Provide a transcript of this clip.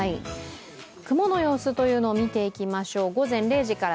雲の様子を見ていきましょう。